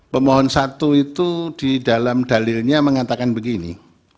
pemohon satu itu di dalam dalilnya mengatakan begini